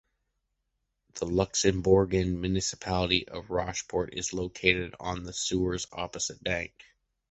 The Luxembourgian municipality of Rosport is located on the Sauer’s opposite bank.